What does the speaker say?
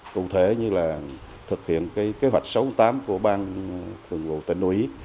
cụ thể như là thực hiện cái kế hoạch số tám của bang thường vụ tỉnh uý